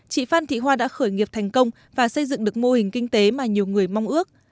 chị phan thị hoa đã khởi nghiệp thành công và xây dựng được mô hình kinh tế mà nhiều người mong ước